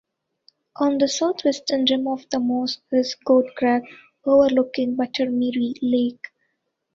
On the south western rim of the Moss is Goat Crag, overlooking Buttermere lake.